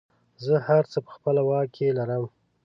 زه هر څه په خپله واک کې لرم.